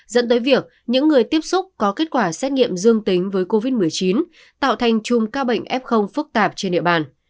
dẫn tới việc những người tiếp xúc có kết quả xét nghiệm dương tính với covid một mươi chín tạo thành chùm ca bệnh f phức tạp trên địa bàn